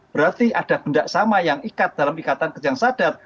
berarti ada benda sama yang ikat dalam ikatan kejang sadat